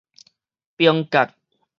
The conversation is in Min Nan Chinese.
冰角